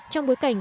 trong bối cảnh